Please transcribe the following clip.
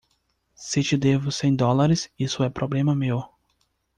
Se te devo cem dólares, isso é problema meu.